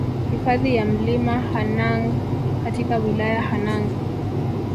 Hifadhi ya Mlima Hanang katika wilaya Hanang